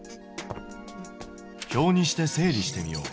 表にして整理してみよう。